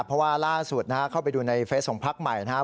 เพราะว่าล่าสุดนะฮะเข้าไปดูในเฟสของพักใหม่นะครับ